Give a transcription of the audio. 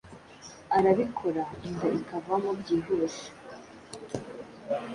arabikora inda ikavamo byihuse